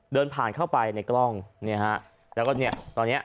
เดินผ่านเข้าไปในกล้องเนี่ยฮะแล้วก็เนี่ยตอนเนี้ย